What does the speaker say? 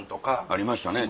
ありましたね。